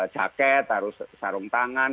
jaket harus sarung tangan